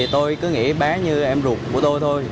tôi cứ nghĩ bé như em ruột của tôi thôi